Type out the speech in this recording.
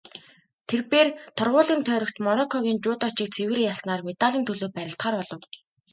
Тэр бээр торгуулийн тойрогт Мороккогийн жүдочийг цэвэр ялснаар медалийн төлөө барилдахаар болов.